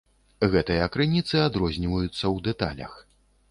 Гэтыя крыніцы адрозніваюцца ў дэталях.